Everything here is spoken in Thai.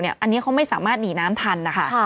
อันนี้เขาไม่สามารถหนีน้ำทันนะคะ